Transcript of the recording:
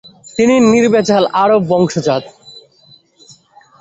তিনি নির্ভেজাল আরব বংশজাত ।